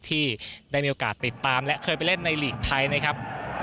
ที่ได้มีโอกาสติดตามและเคยไปเล่นในหลีกไทยนะครับ